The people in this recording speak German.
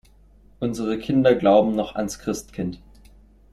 Unsere Kinder glauben noch ans Christkind.